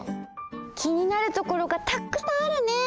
気になるところがたくさんあるね！